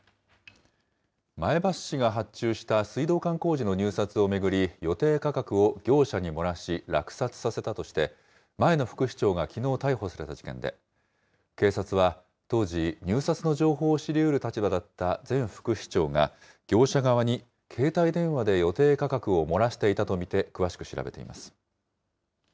前橋市が発注した水道管工事の入札を巡り、予定価格を業者に漏らし、落札させたとして、前の副市長がきのう逮捕された事件で、警察は、当時、入札の情報を知りうる立場だった、前副市長が、業者側に携帯電話で予定価格を漏らしていたと見て詳しく調べています。